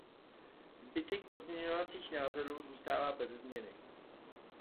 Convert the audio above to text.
Zbytek pozměňovacího názoru zůstává beze změny.